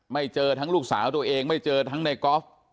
เจอทั้งลูกสาวตัวเองไม่เจอทั้งในกอล์ฟ